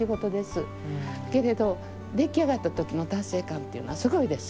けれど出来上がった時の達成感というのはすごいです。